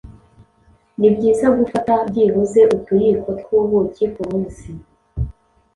ni byiza gufata byibuze utuyiko tw’ubuki ku munsi